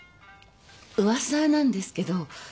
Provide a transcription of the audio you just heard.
噂なんですけど。